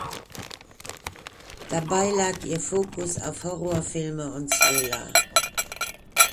Dabei lag ihr Fokus auf Horrorfilme und Thriller.